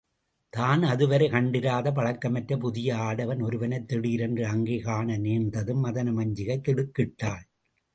தான் அதுவரை கண்டிராத பழக்கமற்ற புதிய ஆடவன் ஒருவனைத் திடீரென்று அங்கே காண நேர்ந்ததும் மதனமஞ்சிகை திடுக்கிட்டாள்.